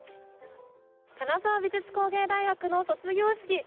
金沢美術工芸大学の卒業式。